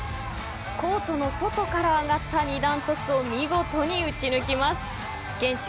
コートの外から上がった二段トスを見事に打ち抜きます。